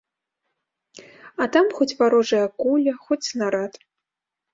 А там хоць варожая куля, хоць снарад.